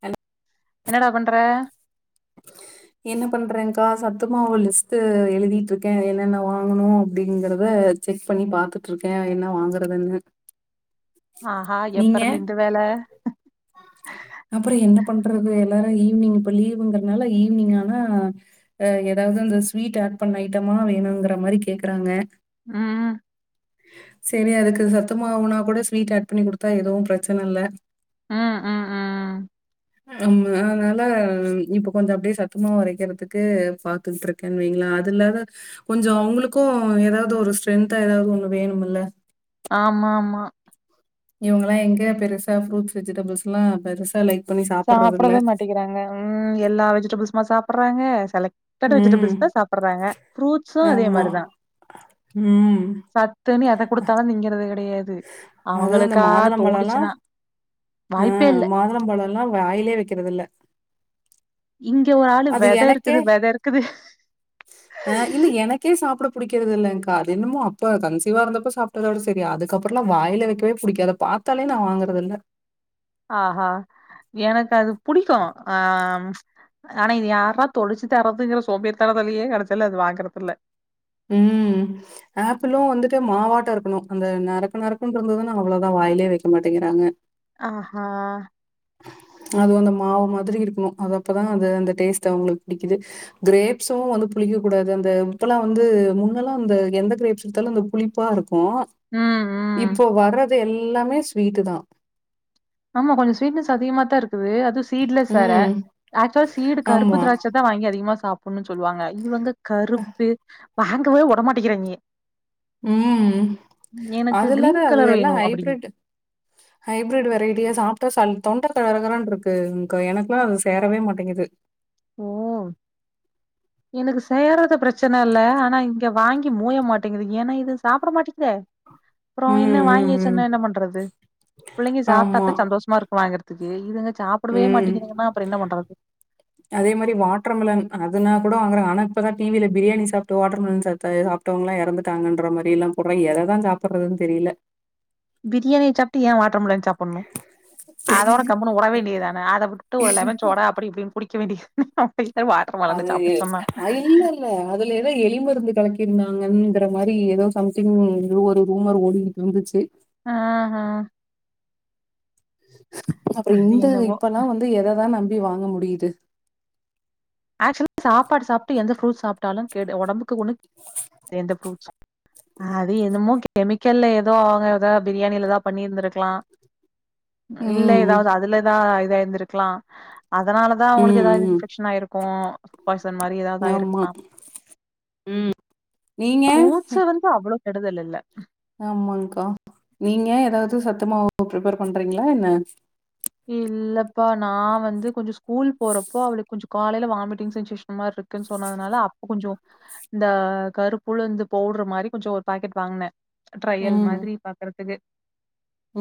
தண்ணி என்னடா பண்றே என்ன பண்றேன்கா சத்துமாவு லிஸ்ட்டு எழுதிட்ருக்கே என்னென்ன வாங்கணூ அப்டிங்குறத செக் பண்ணி பாத்துட்ருக்கே என்ன வாங்குறதுன்னு ஆஹா எப்பருந்து இந்த வேலே அப்றோ என்ன பண்றது எல்லாரு ஈவினிங் இப்ப லீவுங்கறனால ஈவினிங்கானா ஆ ஏதாவது அந்த ஸ்வீட் ஆட் பண்ண ஐட்டமா வேணுங்குற மாரி கேக்குறாங்க ம் செரி அதுக்கு சத்துமாவு உணவு கூட ஸ்வீட் ஆட் பண்ணி குடுத்தா எதுவு பிரச்சன இல்ல ஆ ஆ ஆ ஆமா அதனால இப்ப கொஞ்சோ அப்டியே சத்தமாவு அரைக்கிறதுக்கு பா த்துகுட்ருக்கன் வைங்களே அதுலதா கொஞ்சோ அவங்களுக்கு ஏதாவது ஒரு ஸ்ட்ரென்தா ஏதாவது ஒண்ணு வேணுமில்ல ஆமாமா இவங்கலா எங்கயா பெருசா ஃப்ரூட்ஸ் வெஜிடெபிள்ஸுலா பெருசா லைக் பண்ணி சாப்பிடுறதில்ல. சாப்டவே மாட்டேக்கிறாங்க ம் எல்லா வெஜிடெபுள்ஸ்மா சாப்புட்றாங்க செலக் டட் ம். வெஜிடெபிள்ஸ்தா சாப்புட்றாங்க ஃப்ரூட்ஸு அதே ஆமா. மாரிதா ம். சத்துனு எத குடுத்தாலு திங்கிறது கெடையாது அதுவும் இந்த அவங்களுக்கா மாதுளம்பழம்லாம் தோணுச்சினா ஆ மாதுளம்பழோலா வாயிலயே வைக்கிறதில்ல இங்க ஒரு ஆளு அது வெத இருக்குது வெத இருக்குது ஆ இல்ல எனக்கே சாப்புட புடிக்கிறதில்லங்கா அது என்னமோ அப்ப கன்சிவா இருந்தப்ப சாப் ட்டதோட சரி அதுக்கப்றோலா வாயில வைக்கவே புடிக்காது அத பாத்தாலே நா வாங்குறதில்ல ஆஹா எனக்கது புடிக்கு ஆம் ஆனா இது யாரா தொலிச்சி தரதுங்குற சோம்பேறி தனத்துலயே கடைசீல அது வாங்குறதில்ல ம் ஆப்பிளு வந்துட்டு மாவாட்ட இருக்கணு அந்த நரக்க நறுக்குன்றந்ததுனா அவ்ளவுதா வாயிலயே வெய்க்க மாட்டேங்கிறாங்க ஆ ஹா அது அந்த மாவு மாத்ரி இருக்கணு அது அப்பதா அது அந்த டேஸ்ட்டு அவுங்களுக்கு புடிக்குது க்ரேப்ஸு வந்து புளிக்க கூடாது அந்த இப்பெல்லா வந்து முன்னெலா அந்த எந்த க்ரேப்ஸ் வித்தாலு அந்த புளிப்பா இருக்கு ம் ம் இப்போ வர்றது எல்லாமே ஸ்வீட்டு தா ஆமா கொஞ்ச ஸ்வீட்னஸ் அதிகமா தா இருக்குது அது சீட்லஸ் வேற ம். ஆக்சுலா சீடு கருப்பு ஆமா. திராட்ச இதா வாங்கி அதிகமா சாப்புட்ன்னு சொல்லுவாங்க இவுங்க கருப்பே வாங்கவே உடமாட்டிக்கிறாய்ங்க ம். எனக்கு அது இல்லாத கிரீன் கலர் வேணு அப்டி ஹைபிரிட் வெரைட்டியா சாப்பிட்டா ச தொண்ட கரகரான்ட்ருக்கு இங்க எனக்குல்லா அது சேரவே மாட்டிங்குது ஓ எனக்கு செய்றது பிரச்சன இல்ல ஆனா இங்க வாங்கி மூய மாட்டேங்குது ஏனா இது சாப்பிட மாட்டிக்குதே அப்றோ ம், என்ன வாங்கி ம், வெச்சி ம். என்ன என்ன பண்றது பிள்ளைங்க ஆமா. சாப்ட்டாத்தா சந்தோஷமா இருக் கு வாங்குறதுக்கு இதுங்க சாப்பிடவே ம். மாட்டிங்கிதுங்கன்னா அப்றோ என்ன பண்றது அதே மாரி வாட்டர்மிலன் அதனா கூட வாங்குறங்க ஆனா இப்பதா டி வி யில பிரியாணி சாப்ட்டு வாட்டர்மெலன் ச சாப்ட்டா எதோ சாப்ட்டவங்கல்லா எறந்துட்டாங்கன்ற மாரி எல்லா போட்றாய் எததா சாப்பட்றதுன்னு தெரியல பிரியாணி சாப்பிட்டு ஏ வாட்டர் மெலன் சாப்பட்ணு அதோட கம்முனு உட வேண்டியதுதானே அத உட் ட்டு ஒரு லெமன் சோடா அப்டி இப்டின் குடிக்க வேண்டிய அப்ப [unintelligible] வாட்டர் மெலனு அது சாப்பிட சொன்னா அ இல்ல இல்ல அதுல எதோ எலிமருந்து கலக்கிருந்தாங்கங்கிற மாரி எதோ சம்திங் ரூமரு ரூமர் ஓடி இருந்துச்சு ஆ ஆ அப்றோ அது இந்த என்னவோ இப்பல்லா வந்து எததா நம்பி வாங்க முடியிது ஆக்சுவல சாப்பாடு சாப்ட்டு எந்த ஃப்ரூட் சாப்பாலு கேடு ஒடம்புக்குக்கு ஒன்னு எந்த ப்ரூட்ஸு அது என்னமோ கெமிக்கல்ல எதோ அவுங்க எதோ பிரியாணியிலதா பண்ணிருந்திருக்கலா இல்ல ம் எதாவ்து அதுலதா இதாயிருந்திருக்லா அதனாலதா அவுங்களுக்கு ம் எதாவ்து ம் இன்ஃபெக்ஷன் ஆயிரு க்கு பாயிசன் மாரி எதாவ்து ஆமா. ஆயிருக்லா ம் நீங்க? ஃப்ரூட்ஸு வந்து அவ்ளோ கெடுதல் இல்ல ஆமாங்க்கா நீங்க எதாவ்து சத்தமாவு ப்ரிப்ஃபர் பண்றீங்ளா என்ன இல்லப்பா நா வந்து கொஞ்ச ஸ்கூல் போறப்போ அவளுக் கொஞ்ச காலைல வாமிட்டிங் செஞ்ஷேசன் மார் இருக்குன் சொன்னதுனால அப்போ கொஞ்சோ இந்த கருப்புலுந்து பவுட்ரு மாரி கொஞ்சோ ஒரு பாக்கெட் வாங்னே ட்ரையல் ம் மாத்ரி பாக்கற்துக்கு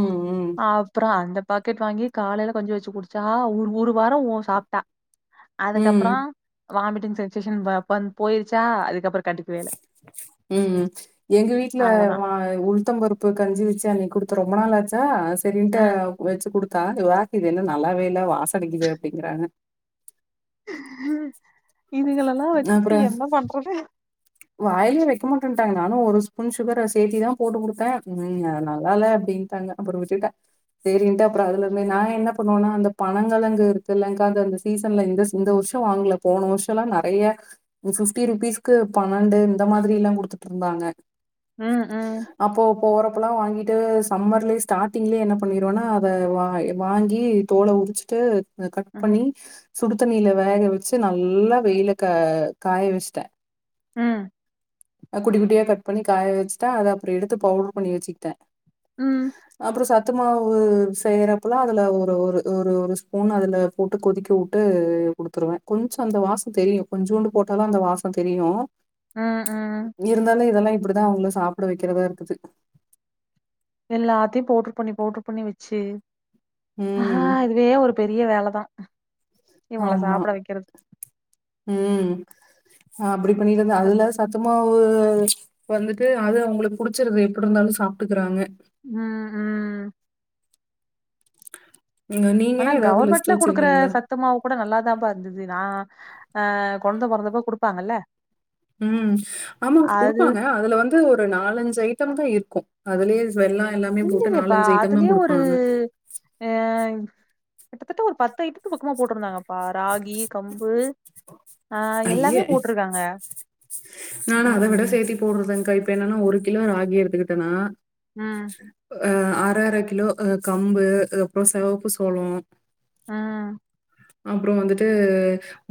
ம் ம் ஆப்றோ அந்த பாக்கெட் வாங்கி காலைல கஞ்சி வெச்சு குடிச்சா ஒரு ஒரு வாரோ உ சாப்ட்டா ம். அதுகப்றோ வாமிட்டிங் சென்சேஷன் வ பந் போயிரிச்சா அதுகப்றோ கட் ம் எங்க வீட்ல வ அவ்வளதான். உள்தம்பரு ப்பு கஞ்சி வெச்சு அன்னிக் குடுத்த ரொம்ப நாளாச்சா செரின்டு ம். வெச்சி குடுத்தா இவாக் இது என்ன நல்லாவே இல்ல வாசடிக்குது அப்டிங்குறாங்க இதுகலெல்லா வெச்சுக்ட்டு என்ன பண்றது வாய்லியே வெக்க மாட்டேன்ட்டாங்க நானு ஒரு ஸ்பூன் சுகர சேத்திதா போட்டு குடுத்தே ம் அது நல்லாலே அப்டின்டாங்க அப்றோ விட்டுட்டே சேரின்ட்டு அப்றோ அதலருந்து நா என்ன பண்ணுவன்னா அந்த பணங்கெழங்கு இருக்குல்லங்க்கா அது அந்த சீசன்ல இந்த ஸ் இந்த வர்ஷோ வாங்ல போன வருஷல்லா நறைய இந்த ஃப்டி ருபீஸ்க்கு பன்னண்டு இந்த மாதிரி எல்லா குடுத்துட்ருந்தாங்க ம், ம். அப்போ போறப்பல்லா வாங்கிட்டு சம்மர்லயே ஸ்டாடிங்லயே என்ன பண்ணிருவன்னா அத வா வாங்கி தோல உறிச்சுட்டு அத கட் ம், பண்ணி சுடு தண்ணில வேக வெச்சு நல்லா வெயில்ல க காய வெஸ்ட்டே ம் அ குட்டி குட்டியா கட் பண்ணி காய வெச்சுட்டே அத அப்றோ எடுத்து பவுட்ரு பண்ணி வெச்சுக்கிட்டே ம், அப்றோ ச த்துமாவு செய்றப்பல்லா அதுல ஒரு ஒரு ஒரு ஒரு ஸ்பூன் அதுல போட்டு கொதிக்க உட்டு குடுத்துருவே கொஞ்சோ அந்த வாசோ தெரியு கொஞ்சூண்டு போட்டாலு அந்த வாசோ தெரியு ம் உம் இருந்தாலு இதெல்லா இப்பிடிதா அவுங்ள சாப்ட வெக்கிறதா இருக்குது எல்லாத்தையு பவுட்ரு பண்ணி பவுட்ரு பண்ணி வெச்சி ஆ ம். அதுவே ஒரு பெரிய வேலதா இவங்கள ஆமா சாப்ட வைக்கிறது உம் அப்டி பண்ணிற்றதா அதுல்லாத சத்து மாவு வந்துட்டு அது அவுங்ளுக்கு புடிச்சிறுது எப்டி இருந்தாலு சாப்ட்டுக்குறாங்க ம் ம் ம் நீங்க ஆனா ஏதாவது லிஸ்ட் கவுர்மெண்ட்ல குடுக்குற வச்சிருக்கீங்களா? சத் துமாவு கூட நல்லாதாம்பா இருந்துது நா ஆ கொழந்த பொறந்தப்ப குடுப்பாங்கல்ல உம் ஆமாங்க் அது குடுப்பாங்க அதுல வந்து ஒரு நாலஞ்சு ஐட்டம் தா இருக்கும் அதுலயே வெல்லோ எல்லாமே போட்டு இல்லைங்கப்பா நாலஞ்சு ஐட்டந்தா அதுலயே ஒரு குடுப்பாங்க அ கிட்டத்தட்ட ஒரு பத்து ஐட்டத்துக்கு பக்கமா போட்ருந்தாங்கப்பா ராகி கம்பு ஆ எல்லாமே போட்ருக்காங்க நானோ அத விட ம் சேத்தி போட்றதாங்க்கா இப்போ என்னன்னா ஒரு கிலோ ராகி எடுத்துக்கிட்டனா ம் அ அர அர கிலோ அ கம்பு அ அப்றோ செவப்பு சோளோ ம் அப்றோ வந்துட்டு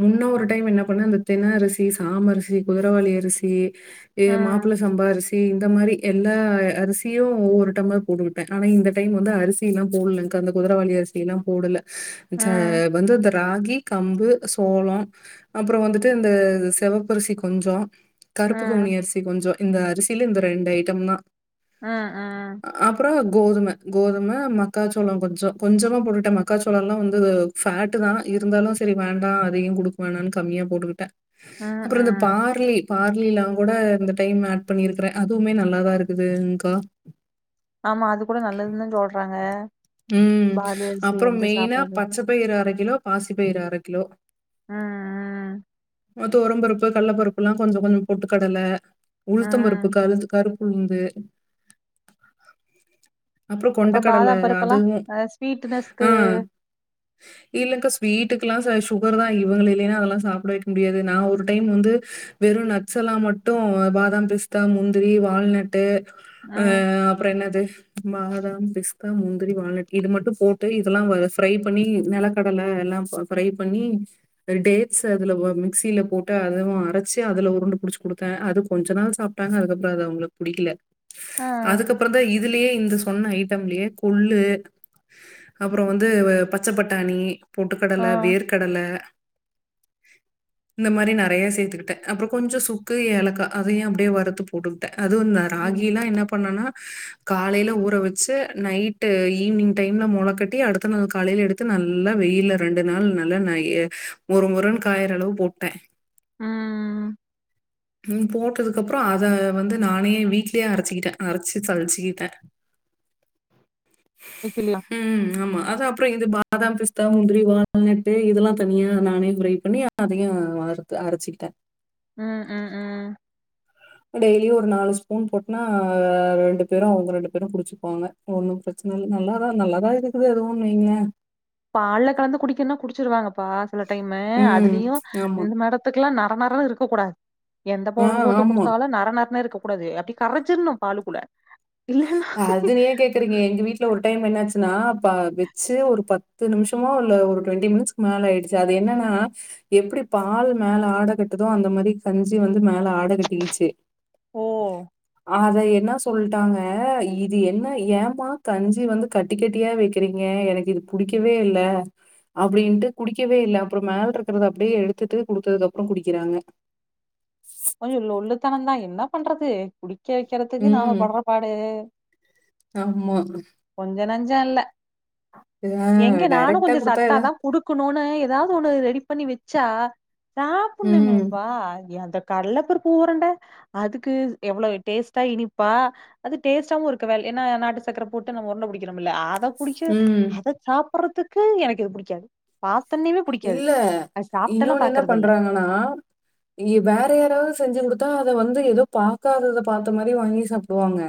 முன்ன ஒரு டைம் என்னா பண்ண இந்த தென அரிசி சாம அரிசி குதிரவாலி அரிசி ஏ ம் மாப்ள சம்பா அரிசி இந்த மாறி எல்லா அ அரிசியு ஒவ்வொரு டைம்ளர் போட்டுக்குட்டே ஆனா இந்த டைம் வந்து அரிசி சில்லா போட்லங்க்கா அந்த குதிரவாலி அரிசில்லா போடல ச்ச ம் தோ இந்த ராகி கம்பு சோளோ அப்பறோ வந்துட்டு இந்த செவப்பரிசி கொஞ்சோ கருப்பு கவுனி ம் அரிசி கொஞ்சோ இந்த அரிசில இந்த ரெண்டு ஐட்டம் தா ம் ம் அப்றோ கோதும கோதும மக்காச்சோளோ கொஞ்சோ கொஞ்சமா போட்டுகிட்டே மக்காச்சோளோ எல்லா வந்து ஃபேட்டு தா இருந்தாலு சரி வேண்டா அதிகோ குடுக்க வேணான்னு கம்மியா போட்டுக்கிட்டே ம் அப்றோ இந்த ம் பார்லி பார்லில்லா கூட இந்த டைம் ஹேட் பண்ணியிருக்கறே அதுவுமே நல்லாதா இருக்குதுங்க்கா ஆமா அது கூட நல்லதுன்னு தா சொல்றாங்க உம் பாலி அரிசி அப்றோ வந்து மெயினா சாப்புட்றதுக்கு பச்ச பயிறு அர கிலோ பாசி பயிறு அர கிலோ உம் உம் துவரம் பருப்பு கல்ல பருப்பு எல்லா கொஞ்ச கொஞ்சோ பொட்டு கடல ம் உளுத்தம் ம் பருப்பு கருத்து கருப் உளுந்து அப்றோ கொண்ட கடல யாது ப்பா அ ஸ்வீட்டுனஸ்க்கு இல்லைங்க்கா ஸ்வீட்டுக்கெல்லா சாய் சுகர் தா இவங்கள இல்லைன்னா அதெல்லா சாப்பிட வெக்க முடியாது நா ஒரு டைம் வந்து வெறு நட்ஸெல்லா மட்டு பாதாம் பிஸ்தா முந்திரி வால்நட் டு ஆ ம் அப்பறோ என்னது பாதாம் பிஸ்தா முந் திரி வால்நட் இது மட்டு போட்டு இதெல்லா வ ஃப்ரை பண்ணி நெலக்கடல எல்லா ப ஃப்ரை பண்ணி டேட்ஸ் அதுல ஒ மிக்சியில போட்டு அதுவு அரைச்சி அதுல உருண்டு புடிச்சி கொடுத்தே அது கொஞ்ச நாள் சாப் ட்டா ங்க அதுக்கப்பறோ அது அவங்களுக்கு புடிக்கல ஆ அதுக்கப்பறோ தா இதுலயே இந்த சொன்ன ஐட்டம்லியே கொள்ளு அப்பறோ வந்து பச்ச பட்டாணி ஆ போட்டுக்கடல வேர் கடல இந்த மாரி நெறைய சேத்துக்கிட்ட அப்பறோ கொஞ்சோ சுக்கு ஏலக்கா அதையு அப்டியே வருத்து போட்டுக்கிட்ட அதுதா ம் ராகில்லா என்ன பண்ணனா காலைல ஊற வச்சி நைட் டு ஈவினிங் டைம்ல மொள கட்டி அடுத்த நாள் காலையில எடுத்து நல்லா வெயில ரெண்டு நாள் நல்லா நை மொறு மொறுனு காயிற அளவு போட்ட ம் ம் ம் ம் போட்டதுக்கு அப்றோ அத வந்து நானே வீட்லயே அரைச்சக்கிட்டே அரைச்சி சலுச்சிக்கிட்ட இதில்லே ம் ஆமா அது அப்பறோ இது பாதாம் பிஸ்தா முந்திரி வால்நட்டு் இதெல்லா தனியா நானே ப்ரை பண்ணி அதயு வறுத்து அரைச்சிக்கிட்ட ம் ம் ம் டெய்லியு ஒரு நாலு ஸ்பூன் போட்டனா ரெண்டு பேரு அவுங்க ரெண்டு பேரு குடிச்சுக்குவாங்க ஒண்ணு பிரச்சன இல்ல நல்லாதா நல்லாதா இருக்குது அதுவோன்னு வைங்கலே பால்ல கலந்து குடிக்கனா குடிச்சிருவாங்கப்பா சில டைமு ம். அதுலயு ஆமா. இந்த மேட த்துகல்லா நர நர இருக்கக் கூடாது எந்த ஆ பவுடர் போட்டு ஆமா. குடுத்தாலோ நர நர இருக்க கூடாது அப்டி கரைச்சின்னோ பாலுக்குள்ள் அது ஏ கேக் றீங்க எங்க வீட்டுல ஒரு டைம் என்னாச்சுன்னா வச்சி ஒரு பத்து நிமிஷமோ இல்ல ஒரு டுவென்டி மினிட்ஸ் மேல ஆயிடுச்சி அது என்னன்னா எப்டி பால் மேல ஆடகட்டுதோ அந்த மாரி கஞ்சி வந்து மே ல ஆட கட்டி கிச்சி ஓ அத என்ன சொல் ட்டாங்க இது என்ன ஏமா கஞ்சி வந்து கட்ட கட்டியா வெக்கிறீங்க எனக்கு இது புடிக்கவே இல்ல அப்டின்ட்டு குடிக்கவே இல்ல அப்பறோ மேல இருக்கறத அப்டியே எடுத்துட்டு குடுத்ததுக் அப்பறோ குடிக்கறாங்க கொஞ்சோ லோல்லுத்தனம் தா என்ன பண்றது குடிக்க வைக்கறதுக்கு நாம ம். படுற பாடு ஆமா கொஞ்ச நஞ்சோ இல்ல ஆ எங்க நானோ டைரக்ட்டா கொஞ்சோ குடுத்தா சத்த எதா தா குடுக்க ன்னு ஏதாவது ஒண்ணு ரெடி பண்ணி வச்சா ம். சாப்பண்ணமேப்பா அந்த கல்லப்பருப்பு உருண்ட அதுக்கு எவ்ளோ டேஸ்டா இனிப்பா அது டேஸ்டாவு இருக்க வே ஏன்னா நாட்டு சக்கர போட்டு நம்ம உருண்ட புடிக்கோரோல்ல அ த புடிக்கல ம். அத சாப்பறதுக்கு எனக்கு இது பிடிக்காது பாத்தோண்ணையுமே புடிக்காது அத சாப்ட்டு எல்லா பாக்குறது இல்ல ஆனா இங்க வேற யாராவது செஞ்சு குடுத்தா அத வந்து ஏதோ பாக்காதத பாத்தா மாரி வாங்கி சாப்டுவாங்க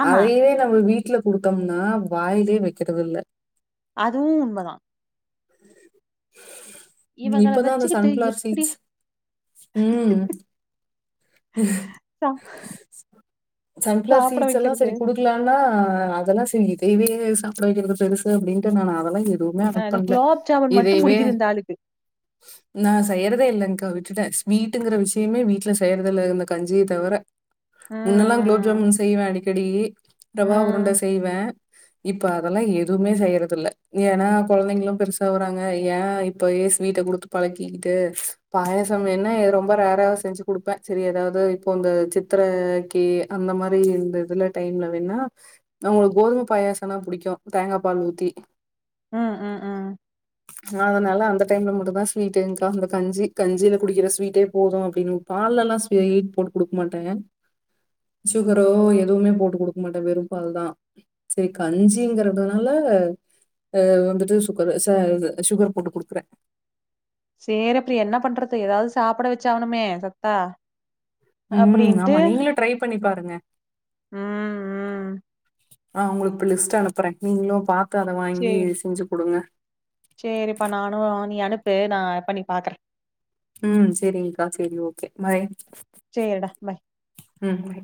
ஆமா அதையே நம்ம வீட்டுல குடுத்தோம்னா வாயிலே வெக்கறது இல்ல அதுவு உண்மதா இவங்கள இப்பதா அந்த வெச்சுக்கிட்டு சன்ஃப்ளார் எப்டி சீட்ஸ் ம் சா சன்ஃப்ளார் சாப்ட சீட்ஸ்ஸல்லா வெக்கிறது சரி குடுத் ல்லாண்டா அதெல்லா சரி இதயவே சாப்ட வெக்கிறது பெருசு அப்டின்ட்டு நா அதெல்லா எ துமே அ அத இந்த பண்ல குலாப் ஜாமுன் மட்டு இதயவே புடிக்குது இந்த ஆளுக்கு நா செய்யறதே இல்லங்க்கா விட்டுட்ட ஸ்வீட்டுங்குற விஷயமே வீட்ல செய்யற இதுல்ல இந்த கஞ்சிய தவர முன்னல்லா குலோப் ம் ஜாமுன் செய்வ அடிக்கடி ரவா உருண்ட ம் செய்வ இப்ப அதெல்லா எதுவுமே செய்யறதுல்ல ஏன்னா கொழந்தைங்களு பெருசாவுறாங்க ஏ இப் இப்பயே ஸ்வீட்ட குடுத்து பழக்கிக்கிட்டு பாயாசோ வேண்ணா ரொம்ப ரேர்ரா செஞ்சு குடுப்ப செரி ஏதாவது இப்போ இந்த சித்தரக்கி அந்த மாரி இந்த இதுல டைம்ல வேணா அவுங்களுக்கு கோதும பாயாசோன்னா புடிக்கு தேங்கா பால் ஊத்தி ம் ம் ம் அதனால அந்த டைம்ல மட்டுதா ஸ்வீட்டுங்கா அந்த கஞ்சி கஞ்சியில குடிக்கிற ஸ்வீட்டே போது அப்டின்னு பால்லல்லா ஸ் ஸ்வீட் போட்டு குடுக்க மாட்ட சுகரோ எதுவுமே போட்டு குடுக்க மாட்ட வெறு பால் தா சரி கஞ்சிங்கறதுனால அ வந்துட்டு சுகரு ச இது சுகர் போட்டு குடுக்குற சேர் அப்றோ என்ன பண்றது ஏதாவது சாப்ட வச்சாவனுமே சத்தா ம் அப்டின்ட்டு ஆமா நீங்களு ட்ரை பண்ணி பாருங்க ம் ம் அ உங்களுக்கு இப்ப லிஸ்ட் அனுப்புற நீங்களு பாத்து அத வாங்கி செஞ்சு குடுங்க செரிப்பா நானு நீ அனுப்பு நா பண்ணி பாக்குற ம் செரிங்கக்கா சரி ஓகே பாய் சேரிடா பாய் ம் பாய்